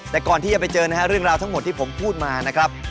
แต่ก่อนที่จะไปเจอนะฮะเรื่องราวทั้งหมดที่ผมพูดมานะครับ